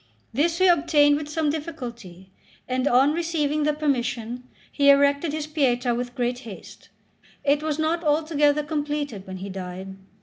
This he obtained with some difficulty; and on receiving the permission, he erected his Pietà with great haste. It was not altogether completed when he died.